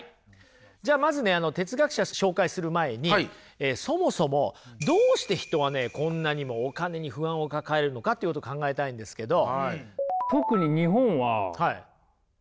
じゃあまずねあの哲学者紹介する前にそもそもどうして人はねこんなにもお金に不安を抱えるのかっていうことを考えたいんですけど。